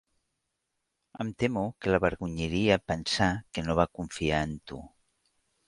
Em temo que l'avergonyiria pensar que no va confiar en tu.